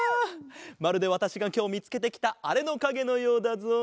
まるでわたしがきょうみつけてきたあれのかげのようだぞ。